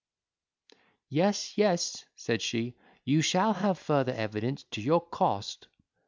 "Yes, yes," said she, "you shall have further evidence, to your cost."